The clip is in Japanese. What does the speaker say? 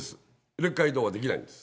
レッカー移動はできないんです。